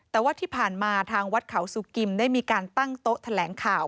แต่ว่าที่ผ่านมาทางวัดเขาสุกิมได้มีการตั้งโต๊ะแถลงข่าว